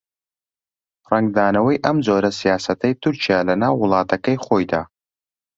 ڕەنگدانەوەی ئەم جۆرە سیاسەتەی تورکیا لەناو وڵاتەکەی خۆیدا